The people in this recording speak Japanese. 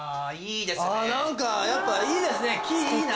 何かやっぱいいですね木いいな。